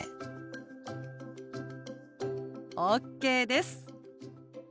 ＯＫです。